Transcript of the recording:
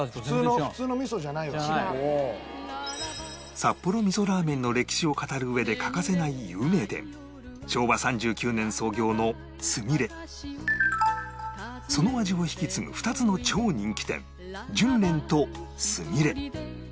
札幌味噌ラーメンの歴史を語る上で欠かせない有名店その味を引き継ぐ２つの超人気店純連とすみれ